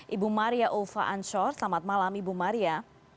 ibu maria ulfa anshor selamat malam ibu maria